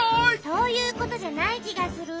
そういうことじゃないきがする。